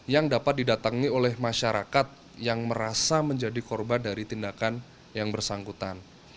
yang dapat didatangi oleh masyarakat yang merasa menjadi korban dari tindakan yang bersangkutan